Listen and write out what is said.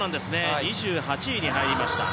２８位に入りました。